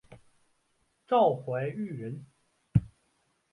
赵怀玉人。